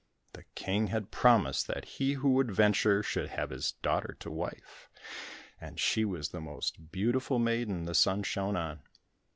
The King had promised that he who would venture should have his daughter to wife, and she was the most beautiful maiden the sun shone on.